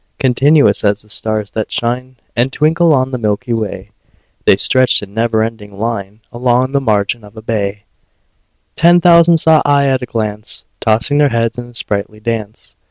Continuous as the stars that shine And twinkle on the milky way, The stretched in never ending line Along the margin of a bay: Ten thousand saw I at a glance, Tossing their heads in sprightly dance.